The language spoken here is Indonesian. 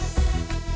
ya yuk toh ya